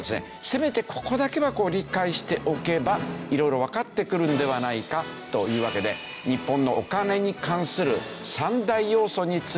せめてここだけは理解しておけば色々わかってくるんではないか？というわけで日本のお金に関する３大要素について解説します。